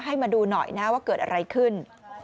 ให้มาดูหน่อยนะว่าเกิดอะไรขึ้น